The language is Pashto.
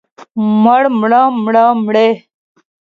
مړ، مړه، مړه، مړې.